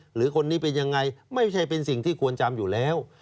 หรือคนนี้เป็นยังไงไม่ใช่เป็นสิ่งที่ควรจำอยู่แล้ว